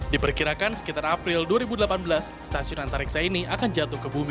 diperkirakan sekitar april dua ribu delapan belas stasiun antariksa ini akan jatuh ke bumi